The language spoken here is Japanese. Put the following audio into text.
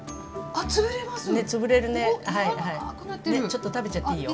ちょっと食べちゃっていいよ。